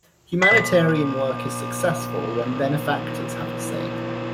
Humanitarian work is successful when benefactors have a say.